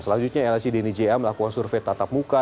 selanjutnya lacdni ja melakukan survei tatap muka